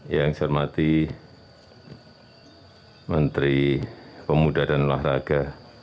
yang saya hormati menteri pemuda dan olahraga